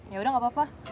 yaudah gak apa apa